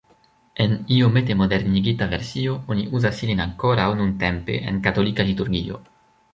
En iomete modernigita versio oni uzas ilin ankoraŭ nuntempe en katolika liturgio.